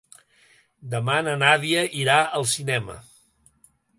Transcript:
Demà na Nàdia irà al cinema.